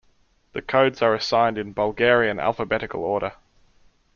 The codes are assigned in Bulgarian alphabetical order.